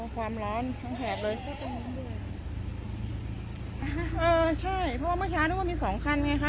ความร้อนทั้งแถบเลยเออใช่เพราะว่าเมื่อเช้านึกว่ามีสองคันไงคะ